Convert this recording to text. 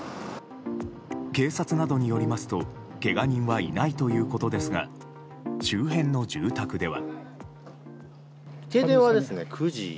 警察などによりますとけが人はいないということですが周辺の住宅では。